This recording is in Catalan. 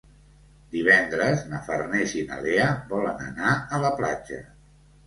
Divendres na Farners i na Lea volen anar a la platja.